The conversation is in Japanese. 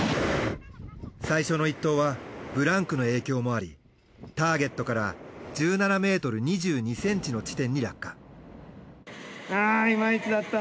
最初の一投はブランクの影響もありターゲットから１７ｍ２２ｃｍの地点に落下。